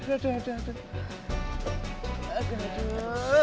aduh aduh aduh